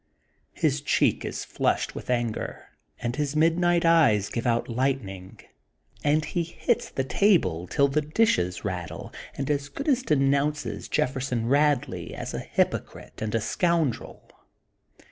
His cheek is flushed with anger and his midnight eyes give out lightning and he hits the table till the dishes rattle and as good as denounces Jefferson Badley as a hypocrite and a scoundrel.